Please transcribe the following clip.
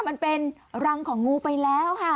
มันเป็นรังของงูไปแล้วค่ะ